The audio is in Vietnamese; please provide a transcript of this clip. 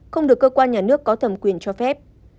không được cơ quan nhà nước có thẩm quyền cho phép